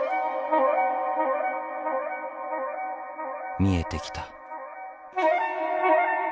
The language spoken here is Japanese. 見えてきた。